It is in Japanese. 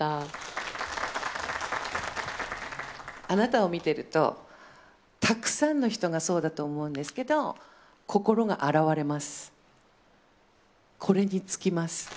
あなたを見てると、たくさんの人がそうだと思うんですけど、心が洗われます。